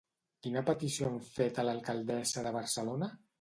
Quina petició han fet a l'alcaldessa de Barcelona?